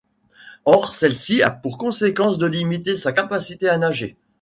Or celle-ci a pour conséquence de limiter sa capacité à nager.